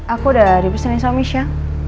aku udah dibesenin samis ya